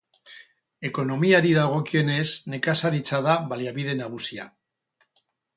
Ekonomiari dagokionez, nekazaritza da baliabide nagusia.